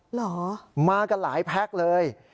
เหรอมากันหลายแพ็คเลย